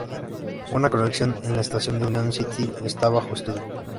Una conexión en la estación de Union City está bajo estudio.